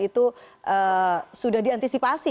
itu sudah diantisipasi